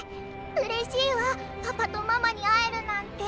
うれしいわパパとママにあえるなんて。